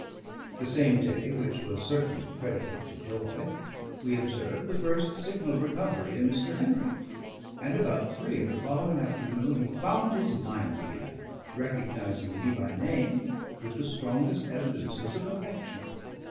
The same day, which was certainly prededicate to joy, we observed the first signal of recovery in Mr. Henry; and about three of the following afternoon he found his mind again, recognising me by name with the strongest evidences of affection.